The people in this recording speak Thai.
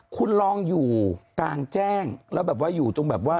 คุณลองอยู่กลางแจ้งแล้วแบบว่าอยู่ตรงแบบว่า